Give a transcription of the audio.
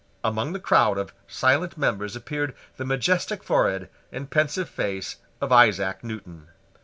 Among the crowd of silent members appeared the majestic forehead and pensive face of Isaac Newton.